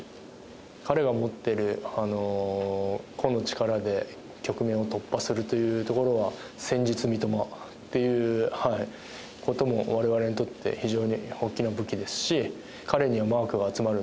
彼が持ってる個の力で局面を突破するというところは戦術三笘っていうこともわれわれにとって非常に大きな武器ですし。